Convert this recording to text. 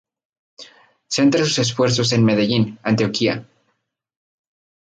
Centra sus esfuerzos en Medellín, Antioquia.